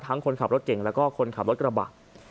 ทั้งคนขับรถเก่งและคนขับรถกระบะ